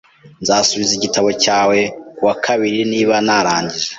Nzasubiza igitabo cyawe kuwakabiri niba narangije.